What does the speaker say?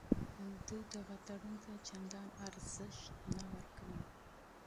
دوی دغه تړون ته چندان اهمیت نه ورکوي.